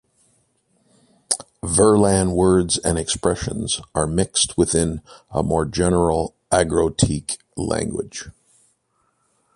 "Verlan" words and expressions are mixed within a more general "argotique" language.